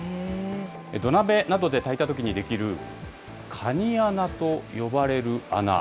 土鍋などで炊いたときにできる、カニ穴と呼ばれる穴。